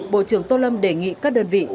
bộ trưởng tô lâm đề nghị các đơn vị